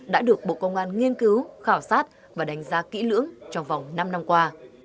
đã được bộ công an nghiên cứu khảo sát và đánh giá kỹ lưỡng trong vòng năm năm qua